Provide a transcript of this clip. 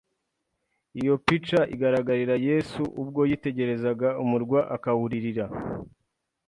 '» Iyo pica igaragarira Yesu ubwo yitegerezaga umurwa akawuririra